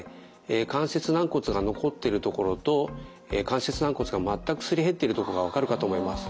関節軟骨が残っている所と関節軟骨が全くすり減っている所が分かるかと思います。